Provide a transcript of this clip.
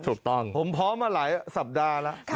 ถูกต้องผมพร้อมมาหลายสัปดาห์แล้ว